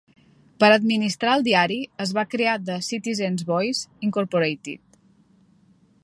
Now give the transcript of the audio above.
Per administrar el diari, es va crear The Citizens' Voice, Incorporated.